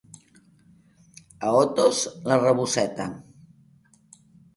A Otos, la raboseta.